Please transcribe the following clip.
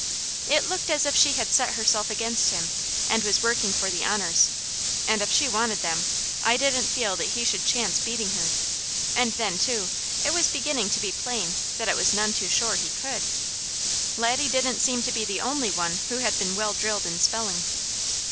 It looked as if she had set herself against him and was working for the honours, and if she wanted them, I didn't feel that he should chance beating her, and then, too, it was beginning to be plain that it was none too sure he could. Laddie didn't seem to be the only one who had been well drilled in spelling.